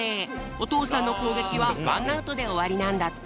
おとうさんのこうげきは１アウトでおわりなんだって。